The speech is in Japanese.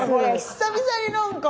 久々に何かね。